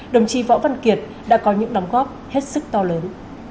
đồng chí võ văn kiệt đã có những đóng góp hết sức to lớn